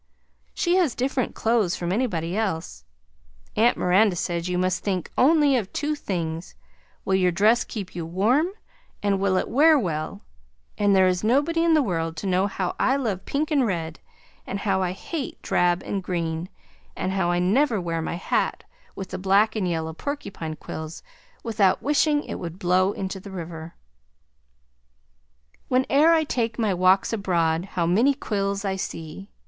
She has different clothes from anybody else. Aunt Miranda says you must think only of two things: will your dress keep you warm and will it wear well and there is nobody in the world to know how I love pink and red and how I hate drab and green and how I never wear my hat with the black and yellow porkupine quills without wishing it would blow into the river. Whene'er I take my walks abroad How many quills I see.